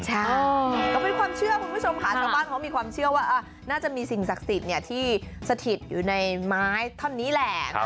ใช่ก็เป็นความเชื่อคุณผู้ชมค่ะชาวบ้านเขามีความเชื่อว่าน่าจะมีสิ่งศักดิ์สิทธิ์ที่สถิตอยู่ในไม้ท่อนนี้แหละ